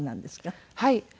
はい。